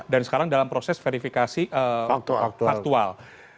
dan sekarang dalam proses verifikasi faktual